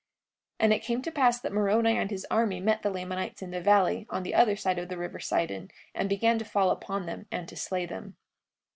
43:41 And it came to pass that Moroni and his army met the Lamanites in the valley, on the other side of the river Sidon, and began to fall upon them and to slay them.